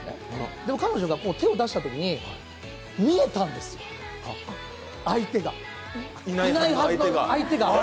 でも、彼女が手を出したときに見えたんですよ、相手が、いないはずの相手が。